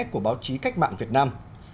của báo chí cách mạng việt nam